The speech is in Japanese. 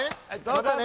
またね。